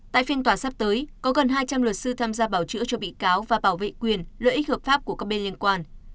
tại phiên tòa sắp tới có gần hai trăm linh luật sư tham gia bảo chữa cho bị cáo và bảo vệ quyền lợi ích hợp pháp của các bên liên quan